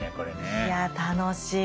いや楽しい。